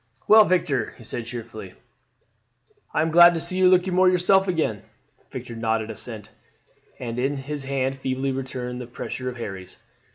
"Well, Victor," he said cheerfully, "I am glad to see you looking more yourself again." Victor nodded assent, and his hand feebly returned the pressure of Harry's.